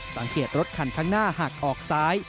สังเกตรถคันข้างหน้าหักออกซ้าย